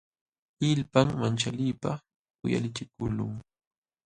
Illpam manchaliypaq uyalichikuqlun.